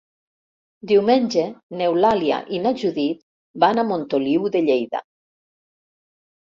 Diumenge n'Eulàlia i na Judit van a Montoliu de Lleida.